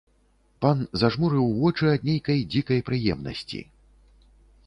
Пан зажмурыў вочы ад нейкай дзікай прыемнасці.